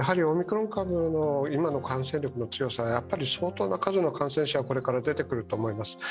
オミクロン株の今の感染力の強さ、やっぱり相当の数の感染者がこれから出てくると思います。